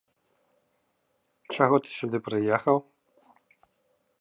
Чаго ты сюды прыехаў?